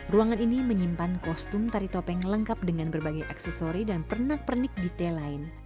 ruangan ini menyimpan kostum tari topeng lengkap dengan berbagai aksesori dan pernak pernik detail lain